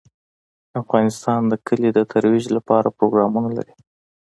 افغانستان د کلي د ترویج لپاره پروګرامونه لري.